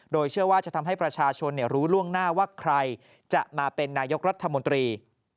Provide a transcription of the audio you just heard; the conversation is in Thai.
โดยเชื่อว่าจะทำให้ประชาชนรู้ล่วงหน้าว่าใครจะมาเป็นนายกรัฐมนตรี